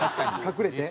隠れて？